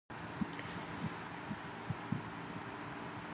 The most common polynomial basis is the monomial basis consisting of all monomials.